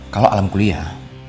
kalau alam kuliah